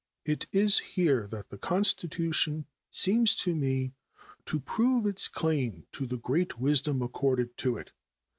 It is here that the Constitution seems to me to prove its claim to the great wisdom accorded to it.